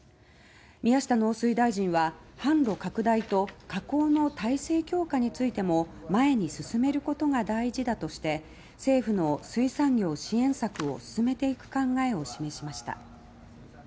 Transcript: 宮下農水大臣は販路の拡大と加工の体制強化についても前に進めることが大事だとして政府の水産業支援策を進めていく考えを示しました。